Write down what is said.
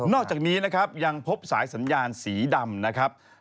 นอกจากนี้ยังพบสายสัญญาณสีดำ